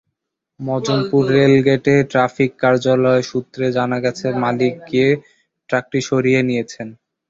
মজমপুর রেলগেটে ট্রাফিক কার্যালয় সূত্রে জানা গেছে, মালিক গিয়ে ট্রাকটি সরিয়ে নিয়েছেন।